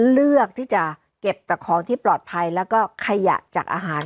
เลือกที่จะเก็บแต่ของที่ปลอดภัยแล้วก็ขยะจากอาหาร